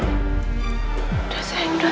sudah sayang sudah